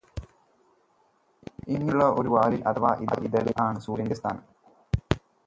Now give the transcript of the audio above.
ഇങ്ങനെയുള്ള ഒരു വാലിൽ അഥവാ ഇതളിൽ ആണ് സൂര്യന്റെ സ്ഥാനം.